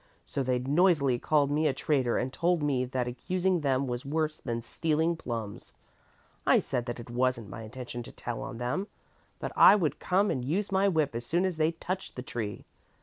So they noisily called me a traitor and told me that accusing them was worse than stealing plums. I said that it wasn't my intention to tell on them, but I would come and use my whip as soon as they touched the tree.